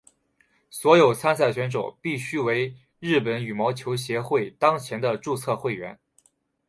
所有参赛选手必须为日本羽毛球协会当前的注册会员。